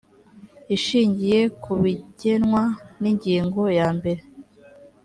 ishingiye ku bigenwa n ingingo ya mbere